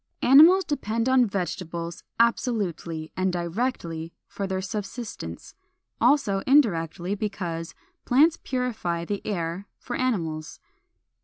Animals depend upon vegetables absolutely and directly for their subsistence; also indirectly, because 457. _Plants purify the air for animals.